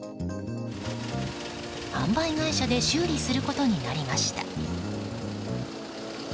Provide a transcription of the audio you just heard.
販売会社で修理することになりました。